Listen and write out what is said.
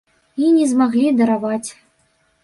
І не змаглі дараваць.